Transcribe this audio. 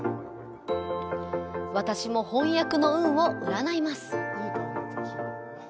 私も本厄の運を占います。